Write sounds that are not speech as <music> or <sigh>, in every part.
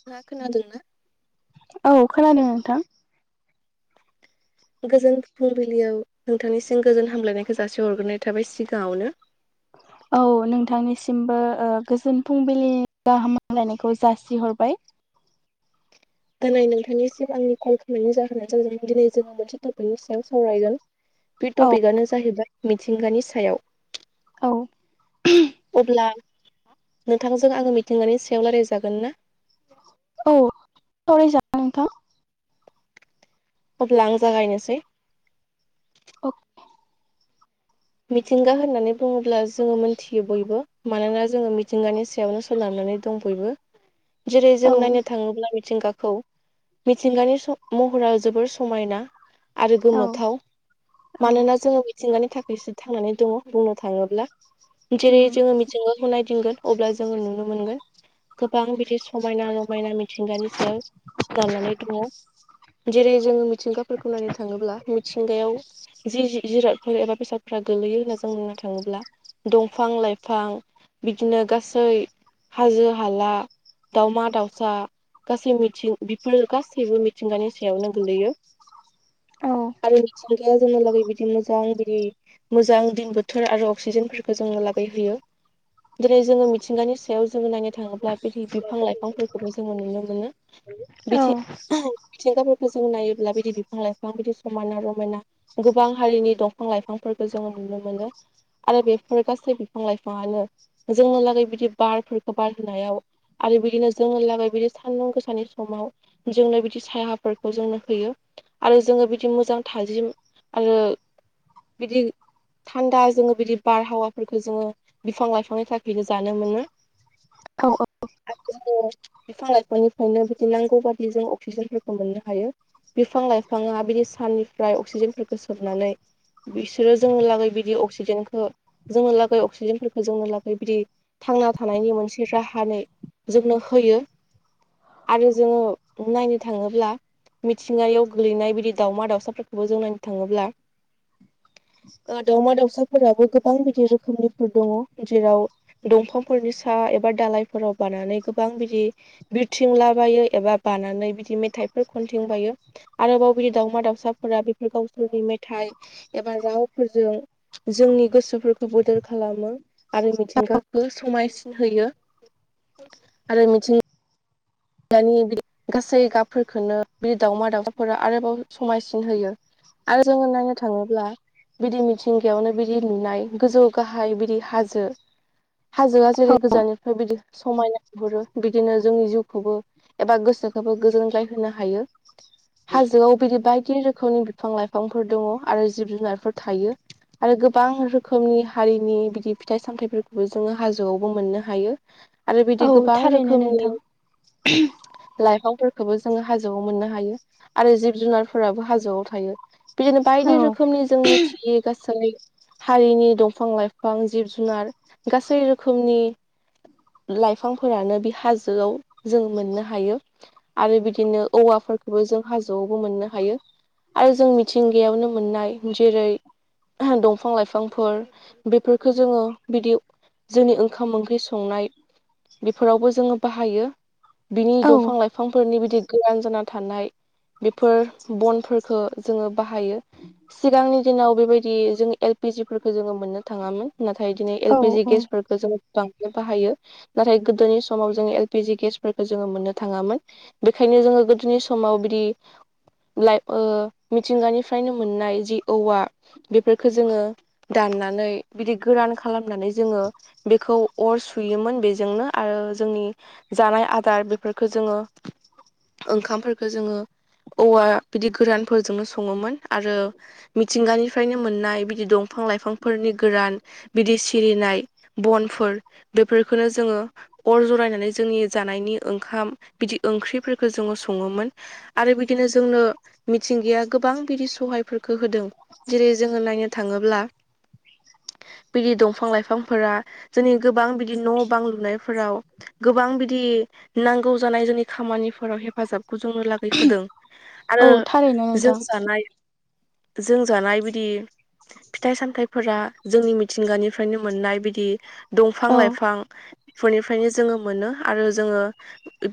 नोंथाङा खोनादों ना? औ खोनादों नोंथां। गोजोन फुंबिलियाव नोंथांनिसिम गोजोन हामलायनायखौ जासे हरग्रोनाय थाबाय सिगाङावनो। औ नोंथांनिसिमबो ओ गोजोन फुंबिलिनि गाहाम हामग्लायनायखौ जासिहरबाय। दनै नोंथांनिसिम आंनि कल खालामनायनि जाहोनानो जादों दिनै जोङो मोनसे टपिकनि सायाव सावरायगोन। बे औ टपिकआनो जाहैबाय मिथिंगानि सायाव। औ अब्ला नोंथांजों आङो मिथिंगानि सायाव रायलायजागोन ना? औ सावरायजा अब्ला आं जागायनोसै। अक मिथिंगा होननानै बुङोब्ला जोङो मोनथियो बयबो। मानोना जोङो मिथिंगानि सायावनो सोनारनानै दं बयबो। जेरै जों नायनो औ थाङोब्ला मिथिंगाखौ मिथिंगानि स महरा जोबोर समायना। आरो औ गोमोथाव। मानोना जोङो मिथिंगानि था खायसो थांनानै दङ बुंनो थाङोब्ला। जेरै उम जोङो मिथिंगाखौ नायदिंगोन। अब्ला जोङो नुनो मोनगोन। गोबां बिदि समायना रमायना मिथिंगानि सायाव सोनारनानै दङ। जेरै जोङो मिथिंगाफोरखौ नायनो थाङोब्ला मिथिंगायाव जि-जि-जिरादफोर एबा बेसाद फ्रा गोलैयो होनना जों बुंनो थाङोब्ला दंफां लाइफां बिदिनो गासै हाजो हाला दाउमा दाउसा गासै मिथिं बेफोर गासैबो मिथिंगानि सायावनो गोलैयो। <inaudible> औ। आरो मिथिंगाया जोंहालागै बिदि मोजां बिदि मोजां दिन बोथोर आरो अक्सिजेनफोरखौ जोङो लाबो होयो। दिनै जोङो मिथिंगानि सायाव जोङो नायनो थाङोब्ला बिदि बिफां लाइफांफोरखौबो जोङो नुनो मोनो बिथिं ओहोम मिथिंगाफोरखौ जों नायोब्ला बिदि बिफां लाइफां बिदि समायना रमायना गोबां हारिनि दंफां लाइफांफोरखौ जोङो नुनो मोनो। आरो बेफोर गासै बिफां लाइफाङानो जोंहा लागै बिदि बारफोरखौ बार होनायाव आरो बिदिनो जोङो लागै बिदि सान्दुं गोसानि समाव जोंनो बिदि सायहाफोरखौ जोंनो होयो आरो जोङो बिदि मोजां थाजिम आरो बिदि थान्दा जोङो बिदि बारहावाफोरखौ जोङो बिफां लाइफांनि थाखायनो जानो मोनो। औ औ <unintelligible> बिफां लाइफांनिफ्रायनो बिदि नांगौ बादि जों अक्सिजेनफोरखौ मोननो हायो बिफां लाइफाङा बिदि साननिफ्राय अक्सिजेनफोरखौ सोमनानै बिसोरो जोंनि लागै बिदि अक्सिजेनखौ जोंनि लागै अक्सिजेनफोरखो जोंनो लागै बिदि थांना थानायनि मोनसे राहानै जोंनो होयो आरो जोङो नायनो थाङोब्ला मिथिंगायाव गोल्लैनाय बिदि दाउमा दाउसाफोरखौबो जों नायनो थाङोब्ला दाउमा दाउसाफोराबो गोबां बिदि रोखोमनिफोर दङ जेराव दंफांफोरनि सा एबा दालायफोराव बानानै गोबां बिदि बिरथिंलाबायो एबा बानानै बिदि मेथाइफोर खनथिंबायो आरोबाव बिदि दाउमा दाउसाफोरा बेफोर गावसोरनि मेथाइ एबा रावफोरजों जोंनि गोसोफोरखौ बोदोर खालामो आरो मिथिंगाखौ समायसिन होयो आरो मिथिंगा दानि गासै गाबफोरखोनो बि दाउमा दाउसाफोरा आरोबाव समायसिन होयो आरो जोङो नायनो थाङोब्ला बिदि मिथिंगायावनो बिदि नुनाय गोजौ गाहाय बिदि हाजो हाजोआ जेरै औ गोजाननिफ्राय बिदि समायनाहरो बिदिनो जोंनि जिउखौ खौबो एबा गोसोखौबो गोजोनग्लाय होनो हायो हाजोआव बिदि बायदि रोखोमनि बिफां लाइफांफोर दङ आरो जिब जुनारफोर थायो आरो गोबां रोखोमनि हारिनि बिदि फिथाइ सामथायाइफोरखौबो जोङो हाजोआवबो मोननो हायो आरो औ बिदि गोबां थारैनो नोंथां रोखोमनि <unintelligible> लाइफांफोरखौबो जोङो हाजोआव मोननो हायो आरो जिब जुनारफोराबो हाजोआव थायो बिन औ बायदि रोखोमनि जों मिथियै गासै हारिनि दंफां लाइफां जिब जुनार गासै रोखोमनि लाइफांफोरानो बे हाजोआव जों मोननो हायो आरो बिदिनो औवाफोरखौबो जों हाजोआवबो मोननो हायो आरो जों मिथिंगायावनो मोननाय जेरै दंफां लाइफांफोर बेफोरफोरखौ जोङो बिदि जोंनि ओंखाम ओंख्रि संनाय बेफोरावबो जोङो बाहायो बिनि औ दंफां लाइफांफोरनि बिदि गोरान जाना थानाय बेफोर बनफोरफोरखौ जोङो बाहायो सिगांनि दिनाव बेबायदि जोङो एलपिजिफोरखौ जोङो मोननो थाङामोन नाथाय दिनै औ एलपिजि औ गेस फोरखो जोङो बांसिनो बाहायो नाथाय गोदोनि समाव जोङो एलपिजि गेस फोर जोङो मोननो थाङामोन बेखायनो जोङो गोदोनि समाव बिदि लाइफ ओ मिथिंगानिफ्रायनो मोननाय जि औवा बेफोरफोरखो जोङो दाननानै बिदि गोरान खालामनानै जोङो बेखौ अर सुयोमोन बेजोंनो आरो जोंनि जानाय आदार बेफोरखौ जोङो ओंखामफोरखौ जोङो औवा बिदि गोरानफोरजोंनो सङोमोन आरो मिथिंगानिफ्रायनो मोननाय बिदि दंफां लाइफांफोरनि गोरान बिदि सिरिनाय बनफोर बेफोरफोरखौनो जोङो अर जरायनानै जोंनि जानायनि ओंखाम बिदि ओंख्रिफोरखो जोङो सङोमोन आरो बिदिनो जोंनो मिथिंगाया गोबां बिदि सहायफोरखौ होदों जेरै जोङो नायनो थाङोब्ला बिदि दंफां लाइफांफोरा जोंनि गोबां बिदि न' बां लुनायफोराव गोबां बिदि नांगौ जानाय जोंनि खामानिफोराव हेफाजाबखौ जोंनो लागै होदों औ आरो थारैनो नोंथां जों जानाय जों जानाय बिदि फिथाइ सामथाइफोरा जोंनि मिथिंगानिफ्रायनो मोननाय बिदि दंफां औ लाइफां फोरनिफ्रायनो जोङो मोनो आरो जोङो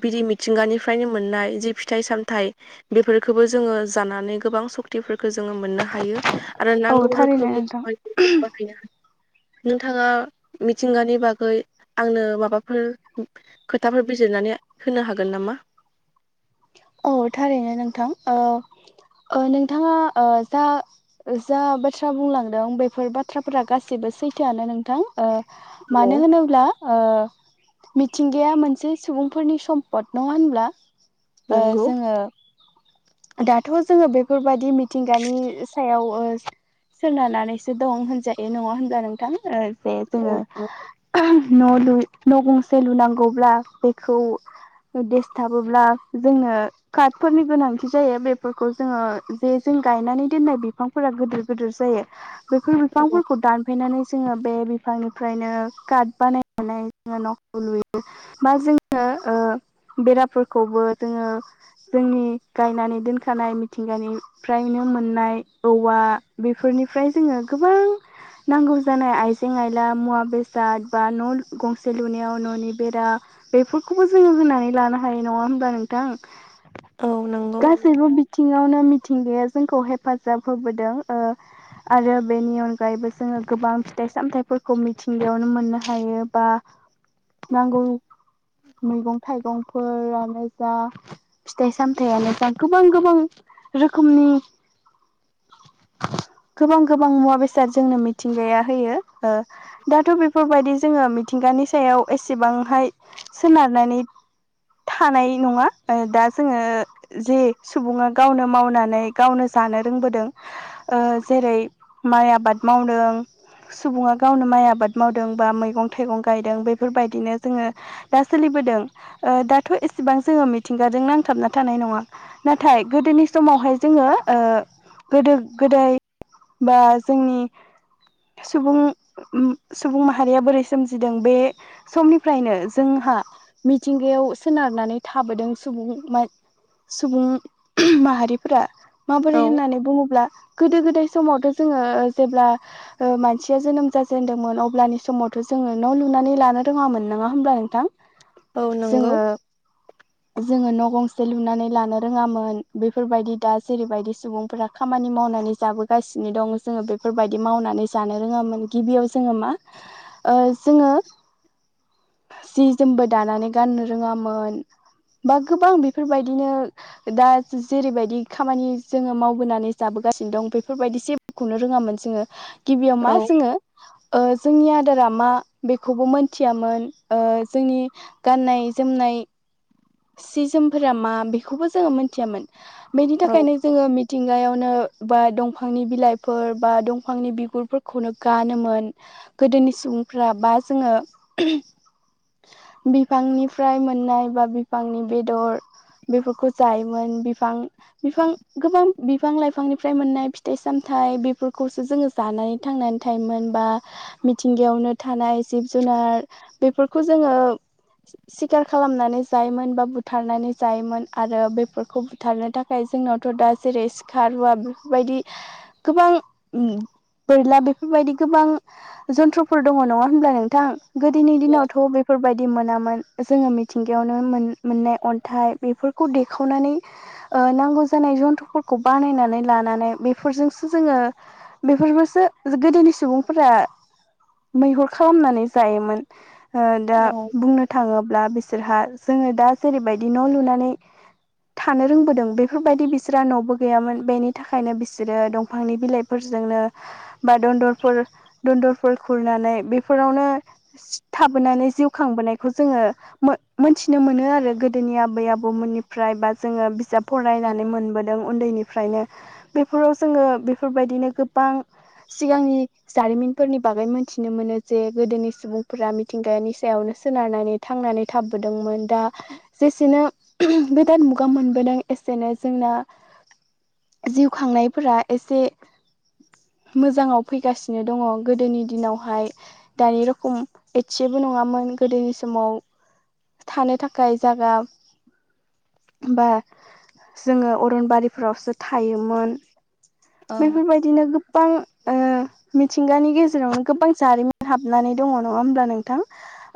बिरि मिथिंगानिफ्रायनो मोननाय जि फिथाइ सामथाइ बेफोरखौबो जोङो जानानै गोबां सक्तिफोरखौ जोङो मोननो हायो आरो औ नांगौ थारैनो रोखोमनि नोंथां खामानिफोरखौ बाहायनो हायो नोंथाङा मिथिंगानि बागै आंनो माबाफोर खोथाफोर बिजिरनानै होनो हागोन नामा औ थारैनो नोंथां नोंथाङा जा जा बाथ्रा बुंलांदों बेफोर बाथ्राफोरा गासिबो सैथोआनो नोंथां मानो हेल' होनोब्ला मिथिंगाया मोनसे सुबुंफोरनि सम्पद नङा होनब्ला नंगौ जोङो दाथ' जोङो बेफोरबायाददि मिथिंगानि सायाव सोनारनानैसो दं होनजायो नङा होनब्ला नोंथां जे जोङो औ न' ल न' गंसे लुनांगौब्ला बेखौ देस थाबोब्ला जोङो कार्टफोरनि गोनांथि जायो बेफोरखौ जोङो जे जों गायनानै दोननाय बिफां फोरा गोदोर गोदोर जायो बे बिफांफोरखौ दानफायनानै जोङो जोङो बे बिफांनिफ्रायनो कार्ड बानायनानै जोङो न'खौ लुयो बा जोङो बेराफोरखौबो जोङो जोंनि गायनानै दोनखानाय मिथिंगानि फ्राययाव मोननाय औवा बेफोरनिफ्राय जोङो गोबां नांगौ जानाय आइजें आइला मुवा बेसाद बा न' गंसे लुनायाव न'नि बेरा बेफोरखौबो जोङो होनानै लानो हायो नङा होमबा नोंथां औ नों गासैबो बिथिङावनो मिथिंगाया जोंखौ हेफाजाब होबोदों आरो बेनि अनगायैबो जोङो गोबां फिथाइ सामथायाइफोरखौ मिथिंगायावनो मोननो हायो बा नांगौ मैगं थाइगंफोरानो जा फिथाइ सामथायाइानो जा गोबां गोबां रोखोमनि गोबां गोबां मुवा बेसाद जोंनो मिथिंगाया होयो दाथ' बेफोरबायदि जोङो मिथिंगानि सायाव एसेबांहाय सोनारनानै थानाय नङा दा जोङो जे सुबुङा गावनो मावनानै गावनो जानो रोंबोदों जेरै माइ आबाद मावदों सुबुङा गावनो माइ आबाद मावदों बा मैगं थाइगं गायदों बेफोरबायदिनो जोङो दा सोलिबोदों दाथ' एसेबां जोङो मिथिंगाजों नांगौ फथाबना थानाय नङा नाथाय गोदोनि समावहाय जोङो गोदो गोदाय बा जोंनि सुबुं सुबुं माहारिया बोरै सोमजिदों बे समनिफ्रायनो जोंहा मिथिंगायाव सोनारनानै थाबोदों सुबुं सुबुं माहारिफोरा माबोरै औ होननानै बुङोब्ला गोदो गोदाय समावथ' जोङो जेब्ला ओ मानसिया जोनोम जाजेनदोंमोन अब्लानि समावथ' जोङो न' लुनानै लानो रोङामोन नङा होमब्ला नोंथां? औ नंगौ जोङो जोङो गंसे लुनानै लानो रोङामोन बेफोरबायदि दा जेरैबायदि सुबुंफोरा खामानि मावनानै जाबो गासिनो दं जोङो बेफोरबायदि मावनानै जानो रोङामोन गिबियाव जोङो मा ओ जोङो जि जोमबो दानानै गाननो रोङामोन। बा गोबां बेफोरबायदिनो दा जेरैबायदि खामानि जोङो मावबोनानै जाबोगासिनो दं बेफोरबायदि जे खौनो रोङामोन जोङो गिबियाव मा औ जोङो ओ जोंनि आदारा मा बेखौबो मोनथियामोन ओ जोंनि गाननाय जोमनाय सि जोमफोरा मा बेखौबो जोङो मोनथियामोन बेनि औ थाखायनो जोङो मिथिंगायावनो बा दंफांनि बिलाइफोर बा दंफांनि बिगुरफोर खौनो गानोमोन गोदोनि सुबुंफ्रा बा जोङो बिफांनिफ्राय मोननाय बा बिफांनि बेदर बेफोरखौ जायोमोन बिफां बिफां गोबां बिफां लाइफांनिफ्राय मोननाय फिथाइ सामथायाइ बेफोरखौसो जोङो जानाय थांनानै थायोमोन बा मिथिंगायावनो थानाय जिब जुनार बेफोरखौ जोङो सि-सिखार खालामनानै जायोमोन बा बुथारनानै जायोमोन आरो बेफोरखौ बुथारनो थाखाय जोंनावथ' दा जेरै खारुवा बेफोरबायदि गोबां बोरला बेफोरबायदि गोबां जन्थ्रफोर दङ नङा होनब्ला नोंथां गोदोनि दिनावथ' बेफोरबायदि मोनामोन जोङो मिथिंग गायावनो मोननाय अन्थाइ बेफोरखौ देखावनानै ओ नांगौ जानाय जन्थ्रुफोरखौ बानायनानै लानानै बेफोरजोंसो जोङो बेफोरबोसो गोदोनि सुबुंफोरा मैहुर खालामनानै जायोमोन। ओ दा औ बुंनो थाङोब्ला बिसोरहा जोङो दा जेरैबायदि न' लुनानै थानो रोंबोदों बेफोरबायदि बिसोरहा न'बो गैयामोन बेनि थाखायनो बिसोरो दंफांनि बिलाइ फोरजोंनो बा दन्दरफोर दन्दरफोर खुरनानै बेफोरावनो सिथाबोनानै जिउ खांबोनायखौ जोङो मो-मोन्थिनो मोनो आरो गोदोनि आबै आबौमोननिफ्राय बा जोङो बिजाब फरायनानै मोनबोदों उन्दैनिफ्रायनो बेफोराव जोङो बेफोरबायदिनो गोबां सिगांनि जारिमिनफोरनि बागै मोनथिनो मोनो जे गोदोनि सुबुंफोरा मिथिंगानि सायावनो सोनारनानै थांनानै थाबबोदोंमोन दा जेसेनो गोदान मुगा मोनबोदों एसेनो जोंना जिउ खांनायफोरा एसे मोजाङाव फैगासिनो दङ गोदोनि दिनावहाय दानि रखम एसेबो नङामोन गोदोनि समाव थानो थाखाय जागा बा जोङो अरनबारिफ्रावसो थायोमोन। बेफोरबायदिनो गोबां ओ मिथिंगानि गेजेरावनो गोबां जारिमिन हाबनानै दङ नङा होमब्ला नोंथां?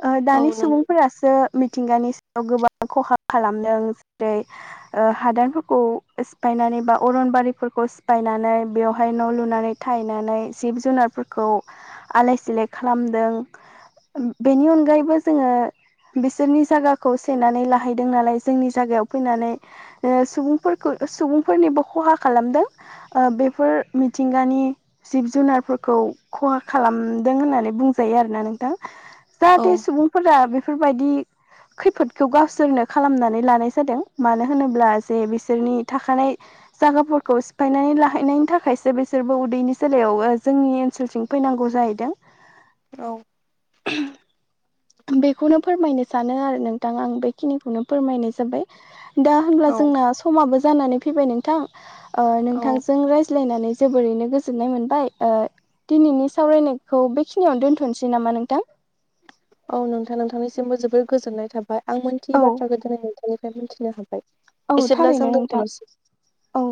ओ औ दानि नंगौ सुबुंफोरासो मिथिंगानि सायाव गोबां खहा खालामदों जेरै ओ हादानफोरखौ सिफायनानै बा अरनबारिफोरखौ सिफायनानै बेवहाय न' लुनानै थायनानै जिब जुनारफोरखौ आलाय सिलाय खालामदों। बेनि अनगायैबो जोङो बिसोरनि जायगाखौ सेननानै लाहैदों नालाय जोंनि जायगायाव फैनानै ओ सुबुंफोरखौ सुबुंफोरनिबो खहा खालामदों। ओ बेफोर मिथिंगानि जिब जुनारफोरखौ खहा खालामदों होननानै बुंजायो आरोना नोंथां औ जाहाथे सुबुंफोरा बेफोरबायदि खैफोदखौ गावसोरनो खालामनानै लानाय जादों मानो होनोब्ला जे बिसोरनि थाखानाय जागाफोरखौ सिफायनानै लाहैनायनि थाखायसो बिसोरबो उदैनि सलायाव जोंनि ओनसोलथिं फैनांगौ जाहैदों <unintelligible> बेखौनो फोरमायनो सानो आरो नोंथां आं बेखिनिखौनो फोरमायनाय जाबाय। दा होनब्ला औ जोंना समाबो जानानै फैबाय नोंथां औ नोंथांजों रायज्लायनानै जोबोरैनो गोजोननाय मोनबाय दिनैनि सावरायनायखौ बेखिनियावनो दोन्थ'नोसै नामा नोंथां। औ नोंथां नोंथांनिसिमबो जोबोर गोजोननाय थाबाय आं मोनथियै औ बाथ्राखौ दिनै नोंथांनिफ्राय मोनथिनो हाबाय। औ एसेब्ला थारैनो जों नोंथां दोनथ'नोसै औ।